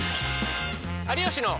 「有吉の」。